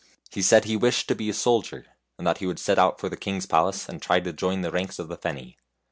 He said he wished THE HUNTSMAN'S SON 83 to be a soldier, and that he would set out for the king's palace, and try to join the ranks of the Feni.